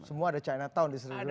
semua ada chinatown di seluruh dunia